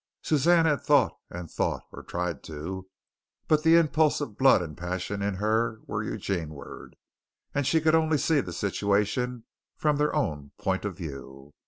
Suzanne had thought and thought, or tried to, but the impulse of blood and passion in her were Eugeneward and she could only see the situation from their own point of view.